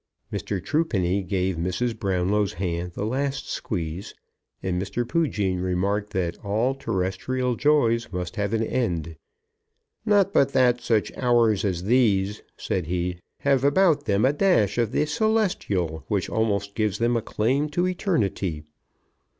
Mr. Truepeny gave Mrs. Brownlow's hand the last squeeze, and Mr. Poojean remarked that all terrestrial joys must have an end. "Not but that such hours as these," said he, "have about them a dash of the celestial which almost gives them a claim to eternity."